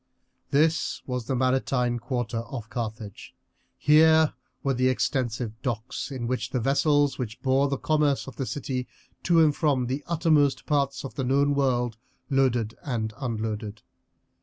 This was the maritime quarter of Carthage; here were the extensive docks in which the vessels which bore the commerce of the city to and from the uttermost parts of the known world loaded and unloaded.